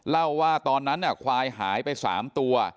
เล่าว่าตอนนั้นควายหายไป๓ตัว